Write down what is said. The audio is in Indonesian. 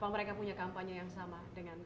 mereka punya kampanye yang sama dengan